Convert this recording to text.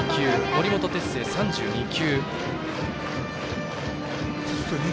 森本哲星、３２球。